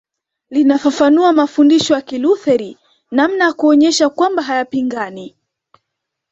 Linafafanua mafundisho ya Kilutheri namna ya kuonyesha kwamba hayapingani